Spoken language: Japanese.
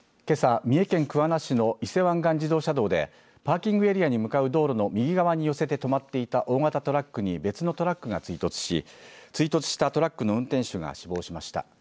けさ、三重県桑名市の伊勢湾岸自動車道でパーキングエリアに向かう道路の右側に寄せて止まっていた大型トラックに別のトラックが追突し追突したトラックの運転手が死亡しました。